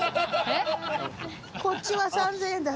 こっちは３０００円だ。